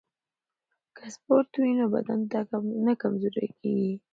که سپورت وي نو بدن نه کمزوری کیږي.